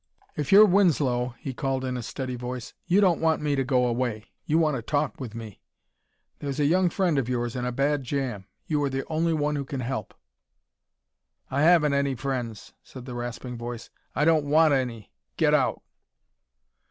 "If you're Winslow," he called in a steady voice, "you don't want me to go away; you want to talk with me. There's a young friend of yours in a bad jam. You are the only one who can help." "I haven't any friends," said the rasping voice: "I don't want any! Get out!"